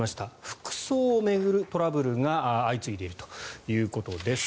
服装を巡るトラブルが相次いでいるということです。